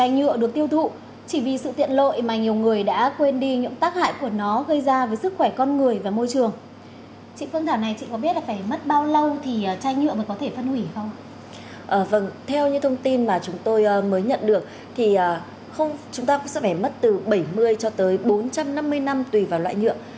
nhưng mà chúng tôi mới nhận được thì chúng ta cũng sẽ phải mất từ bảy mươi cho tới bốn trăm năm mươi năm tùy vào loại nhựa